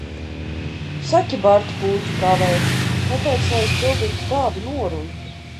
Saki, Bard, Pūķu Kāvēj, kāpēc lai es pildītu tādu norunu?